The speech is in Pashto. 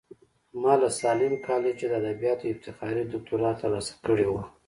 ما له ساليم کالجه د ادبياتو افتخاري دوکتورا ترلاسه کړې وه.